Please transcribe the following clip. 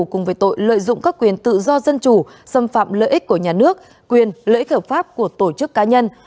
cùng với tội lợi dụng các quyền tự do dân chủ xâm phạm lợi ích của nhà nước quyền lợi ích hợp pháp của tổ chức cá nhân